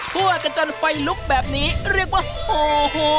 ทั่วกันจนไฟลุกแบบนี้เรียกว่าโอ้โห